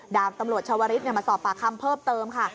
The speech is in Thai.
ดาบตำรวจชาวริสมาสอบปากคำเพิ่มเติมค่ะ